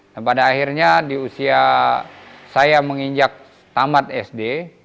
dan pada akhirnya di usia saya menginjak tamat sd